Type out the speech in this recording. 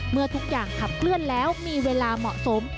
เมื่อทุกอย่างขับเคลื่อนแล้วมีเวลาเหมาะสม